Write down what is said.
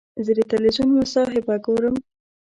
زه د تلویزیون مصاحبه ګورم.